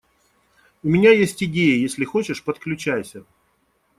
У меня есть идеи, если хочешь - подключайся.